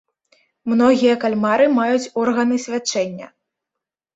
Многія кальмары маюць органы свячэння.